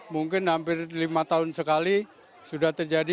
mungkin hampir lima tahun sekali sudah terjadi